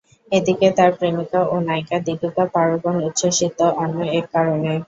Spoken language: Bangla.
এদিকে তাঁর প্রেমিকা ও নায়িকা দীপিকা পাড়ুকোন উচ্ছ্বসিত অন্য এক কারণে।